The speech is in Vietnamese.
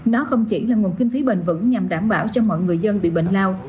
nó không chỉ là nguồn kinh phí bền vững nhằm đảm bảo cho mọi người dân bị bệnh lao